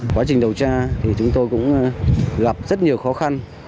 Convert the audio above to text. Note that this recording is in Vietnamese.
quá trình điều tra thì chúng tôi cũng gặp rất nhiều khó khăn